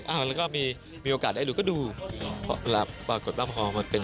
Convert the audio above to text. อ้าวแล้วก็มีมีโอกาสได้ดูก็ดูเพราะแบบปรากฏบ้านประคองมันเป็น